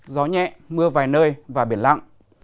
gió nhẹ mưa vài nơi và biển lặng